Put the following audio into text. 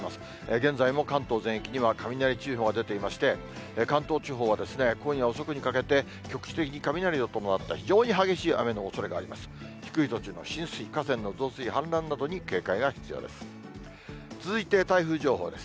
現在も関東全域には雷注意報が出ていまして、関東地方は今夜遅くにかけて、局地的に雷を伴った非常に激しい雨のおそれがあります。